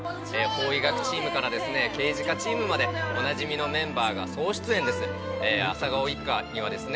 法医学チームからですね刑事課チームまでおなじみのメンバーが総出演です。